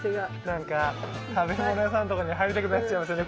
なんか食べ物屋さんとかに入りたくなっちゃいますよね。